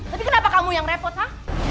tapi kenapa kamu yang repot ha